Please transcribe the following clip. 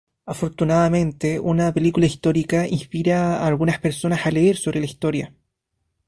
Afortunadamente, una película histórica inspira a algunas personas a leer sobre historia.